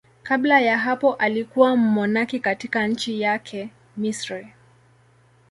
Kabla ya hapo alikuwa mmonaki katika nchi yake, Misri.